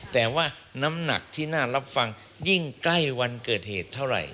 แต่ว่าน้ำหนักที่น่ารับฟังยิ่งใกล้วันเกิดเหตุเท่าไหร่